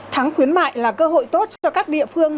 tháng khuyến mại là cơ hội tốt cho các địa phương